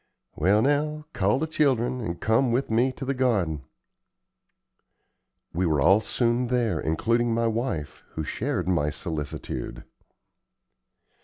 Well, now, call the children and come with me to the garden." We were all soon there, including my wife, who shared my solicitude.